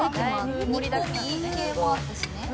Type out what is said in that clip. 煮込み系もあったしね。